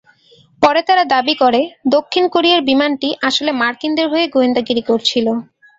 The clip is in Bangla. পরে তারা দাবি করে, দক্ষিণ কোরিয়ার বিমানটি আসলে মার্কিনদের হয়ে গোয়েন্দাগিরি করছিল।